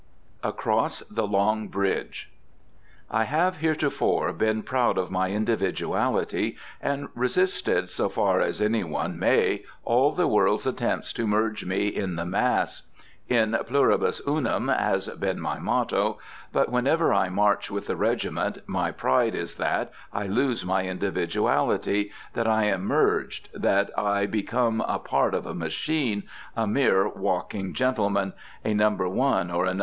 ACROSS THE LONG BRIDGE. I have heretofore been proud of my individuality, and resisted, so far as one may, all the world's attempts to merge me in the mass. In pluribus unum has been my motto. But whenever I march with the regiment, my pride is that I lose my individuality, that I am merged, that I become a part of a machine, a mere walking gentleman, a No. 1 or a No.